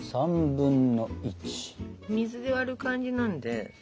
水で割る感じなんで。